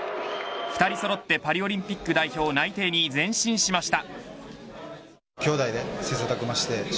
２人そろってパリオリンピック代表内定に前進しました。